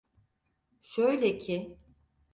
Şöyle ki…